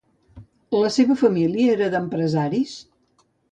La seva família era d'empresaris?